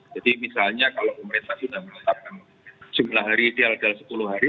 jadi misalnya kalau pemerintah sudah menetapkan jumlah hari di al jal sepuluh hari